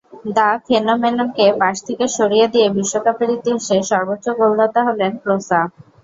The ফেনোমেননকে পাশ থেকে সরিয়ে দিয়ে বিশ্বকাপের ইতিহাসে সর্বোচ্চ গোলদাতা হলেন ক্লোসা।